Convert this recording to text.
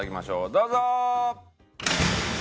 どうぞ！